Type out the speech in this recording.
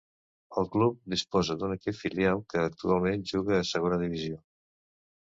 El club disposa d'un equip filial que, actualment, juga a Segona Divisió.